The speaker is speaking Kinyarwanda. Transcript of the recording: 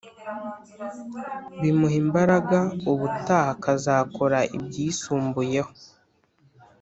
bimuha imbaraga ubutaha akazakora ibyisumbuyeho.